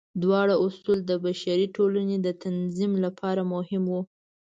دواړه اصول د بشري ټولنې د تنظیم لپاره مهم وو.